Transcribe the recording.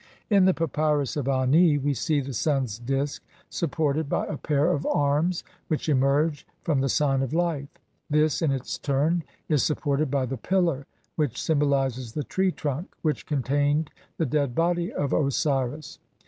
In the Papyrus of Ani we see the Sun's disk supported by a pair of arms which emerge from the sign of life ; this, in its turn, is supported by the pillar which symbolizes the tree trunk which contained the dead body of Osiris.